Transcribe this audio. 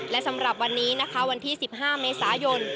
และสำหรับวันนี้นะคะวันที่๑๕เมษายน